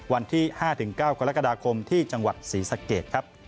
วันที่๕๙กรกฎาคมที่จังหวัดศรีสักเกต